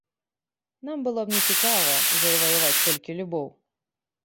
Нам было б нецікава заваяваць толькі любоў!